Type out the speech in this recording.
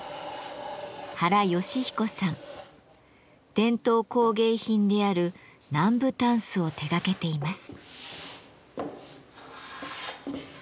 伝統工芸品である南部たんすを手がけています。